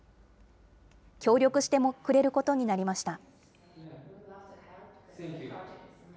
協力してくれることになりました。